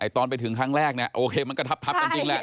ตอนไปถึงครั้งแรกเนี่ยโอเคมันก็ทับกันจริงแหละ